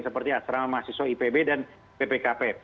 seperti asrama mahasiswa ipb dan ppkp